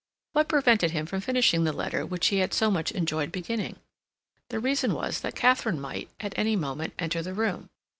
What prevented him from finishing the letter which he had so much enjoyed beginning? The reason was that Katharine might, at any moment, enter the room.